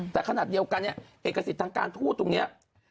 แต่ขณะเดียวกันเอกสิทธิ์ทางการทูตตรงนี้